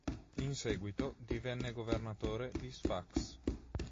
In seguito divenne governatore di Sfax.